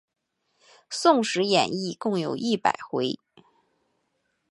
宋史演义共有一百回。